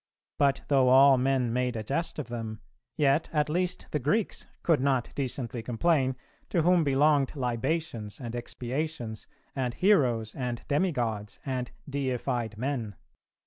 But though all men made a jest of them, yet at least the Greeks could not decently complain, to whom belonged libations and expiations, and heroes and demi gods and deified men.